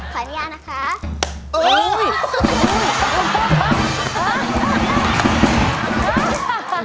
ขออนุญาตนะคะ